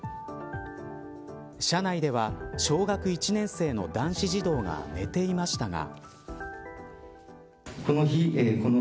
車内では小学１年生の男子児童が寝ていましたが。